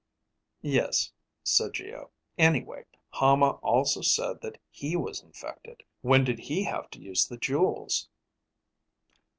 "Yes," said Geo. "Anyway, Hama also said that he was infected. When did he have to use the jewels?"